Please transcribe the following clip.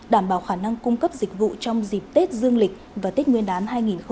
đảm bảo khả năng cung cấp dịch vụ trong dịp tết dương lịch và tết nguyên đán hai nghìn hai mươi